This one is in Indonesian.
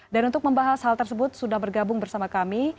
dan untuk membahas hal tersebut sudah bergabung bersama kami